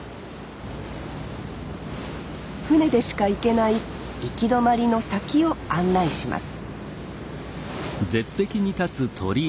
船でしか行けない行き止まりの先を案内します